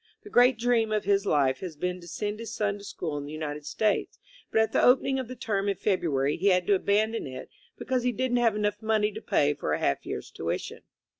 The great dream of his life has been to send his son to school in the United States, but at the opening of the term in February he had to abandon it because he didn't have money enough to pay for a half year's tuition.